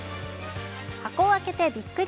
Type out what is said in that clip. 箱を開けてびっくり。